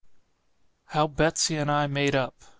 HOW BETSEY AND I MADE UP.